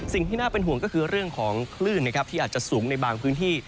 สิ่งที่น่าเป็นห่วงก็คือเรื่องของคลื่นนะครับที่อาจจะสูงในบางพื้นที่